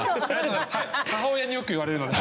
母親によく言われるので。